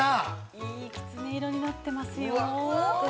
◆いいキツネ色になってますよ。